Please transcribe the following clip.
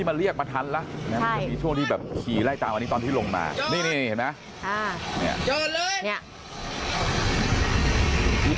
ต้องโทรแจ้งต่อจนคนขี่มอเตอร์ไซสุดท้ายเนี่ยต้องโทรแจ้งต